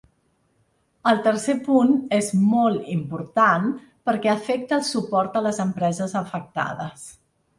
El tercer punt és molt important perquè afecta el suport a les empreses afectades.